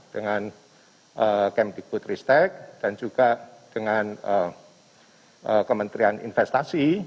dengan kemdikbud ristek dan juga dengan kementerian investasi